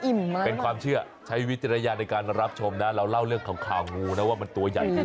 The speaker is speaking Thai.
เอ้าเป็นความเชื่อใช้วิทยาลัยในการรับชมนะเราเล่าเรื่องขาวงูนะว่ามันตัวใหญ่จริง